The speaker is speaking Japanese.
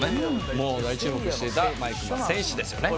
もう大注目していた毎熊選手ですよね。